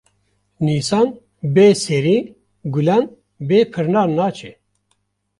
Nîsan bê serî, gulan bê pirnar naçe